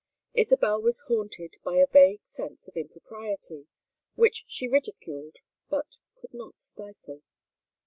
Isabel was haunted by a vague sense of impropriety, which she ridiculed but could not stifle.